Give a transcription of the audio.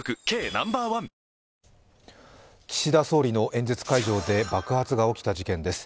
ナンバーワン岸田総理の演説会場で爆発が起きた事件です。